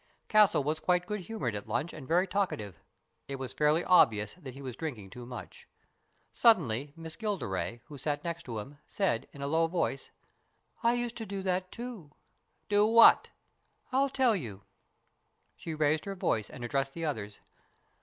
Castle was quite good humoured at lunch and very talkative ; it was fairly obvious that he was drinking too much. Suddenly Miss Gilderay, who sat next to him, said, in a low voice, " I used to do that, too." " Do what ?"" I'll tell you." She raised her voice and addressed the others.